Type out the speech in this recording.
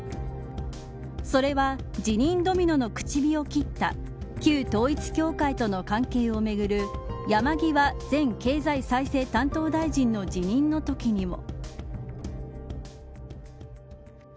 それは辞任ドミノの口火を切った旧統一教会との関係をめぐる山際前経済再生担当大臣の辞任のときにも。